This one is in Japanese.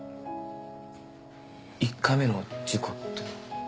１回目の事故ってのは。